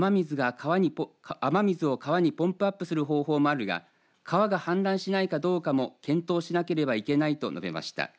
雨水を川にポンプアップする方法もあるが川が氾濫しないかどうかの検討しなければいけないと述べました。